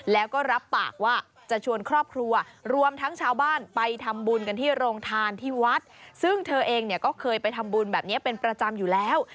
แล้วก็รับปากว่าจะชวนครอบครัวรวมทั้งชาวบ้านไปทำบุญกันที่โรงทานที่วัดซึ่งเธอเองเนี่ยก็เคยไปทำบุญแบบนี้เป็นประจำอยู่แล้ว